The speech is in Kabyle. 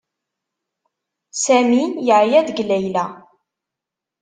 Sami yeɛya deg Layla.